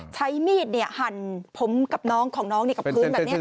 ใช้มีดหั่นผมของน้องกับพื้นแบบนี้